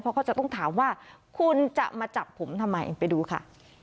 เพราะเขาจะต้องถามว่าคุณจะมาจับผมทำไมไปดูค่ะ